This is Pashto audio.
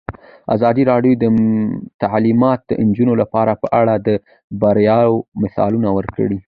ازادي راډیو د تعلیمات د نجونو لپاره په اړه د بریاوو مثالونه ورکړي.